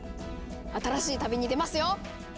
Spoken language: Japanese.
新しい旅に出ますよ！